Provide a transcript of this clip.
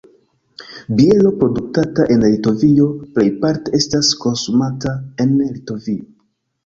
Biero produktata en Litovio plejparte estas konsumata en Litovio.